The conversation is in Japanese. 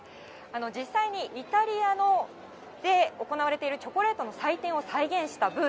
実際にイタリアで行われているチョコレートの祭典を再現したブー